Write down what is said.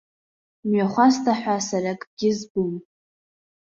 Мҩахәасҭа ҳәа сара акгьы збом.